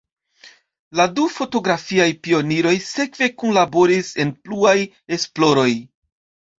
La du fotografiaj pioniroj sekve kunlaboris en pluaj esploroj.